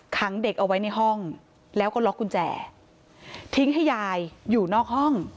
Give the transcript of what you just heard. ขังเด็กเอาไว้ในห้องแล้วก็ล็อกกุญแจทิ้งให้ยายอยู่นอกห้อง